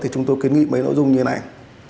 thì chúng tôi kiến nghị mấy nội dung như thế này